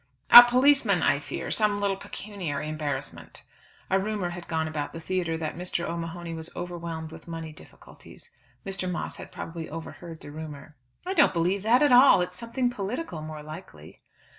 "A policeman I fear. Some little pecuniary embarrassment." A rumour had got about the theatre that Mr. O'Mahony was overwhelmed with money difficulties. Mr. Moss had probably overheard the rumour. "I don't believe that at all. It's something political, more likely."